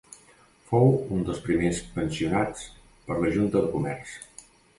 Fou un dels primers pensionats per la Junta de Comerç.